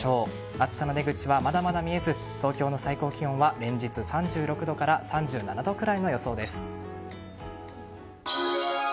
暑さの出口はまだまだ見えず東京の最高気温は連日、３６度から３７度くらいの予想です。